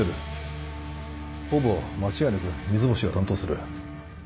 ほぼ間違いなく三ツ星が担当する。